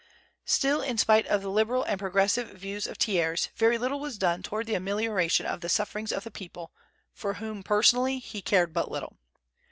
Still, in spite of the liberal and progressive views of Thiers, very little was done toward the amelioration of the sufferings of the people, for whom, personally, he cared but little.